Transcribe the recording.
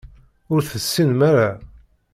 Ur tessinem ara.